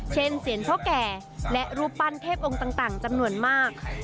เช่นเสียรทะแก่และรูปปั้นเทพองต่างจำนวนมาก